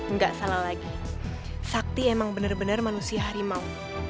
nggak salah lagi sakti emang bener bener manusia harimau